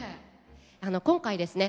今回ですね